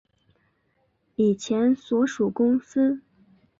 以前所属公司